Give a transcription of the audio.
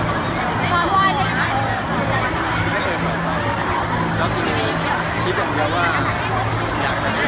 เรามีชีวิตเป็นต้องกลับมาได้คิดว่าในชีวิตพอดี